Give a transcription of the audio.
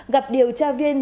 gặp điều tra viên